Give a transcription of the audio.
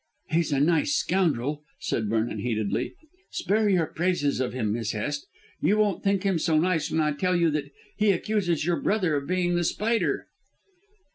"He's a nice scoundrel," said Vernon heatedly. "Spare your praises of him, Miss Hest. You won't think him so nice when I tell you that he accuses your brother of being The Spider."